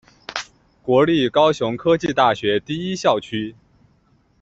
国立高雄科技大学第一校区。